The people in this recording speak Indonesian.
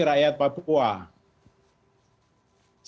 pemekaran pemerintah ini adalah aspirasi rakyat papua